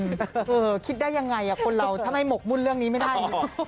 คิดได้ยังไงคนเราถ้าไม่หกมุ่นเรื่องนี้ไม่ได้